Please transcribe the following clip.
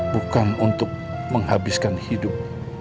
bukan untuk menghabiskan hidup